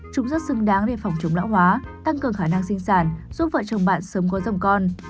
chúng rất xứng đáng để phòng chống lão hóa tăng cường khả năng sinh sản giúp vợ chồng bạn sớm có dòng con